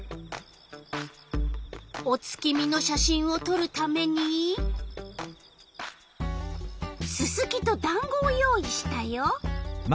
お月見の写真をとるためにススキとだんごを用意したよ。